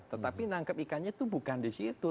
tetapi menangkap ikannya tuh bukan di situ